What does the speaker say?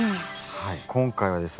今回はですね